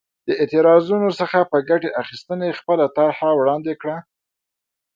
د اعتراضونو څخه په ګټې اخیستنې خپله طرحه وړاندې کړه.